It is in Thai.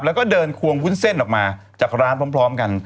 แล้วก็เดินควงวุ้นเส้นออกมาจากร้านพร้อมกัน